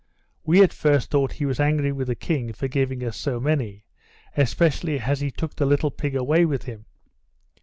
We at first thought he was angry with the king for giving us so many, especially as he took the little pig away with him.